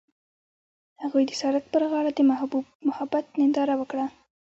هغوی د سړک پر غاړه د محبوب محبت ننداره وکړه.